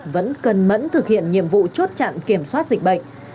vẫn cần mẫn thực hiện nhiệm vụ chốt chặn kiểm soát dịch bệnh